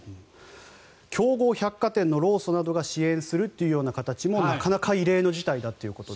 強豪百貨店の労組などが支援するという形も、なかなか異例の事態だということで。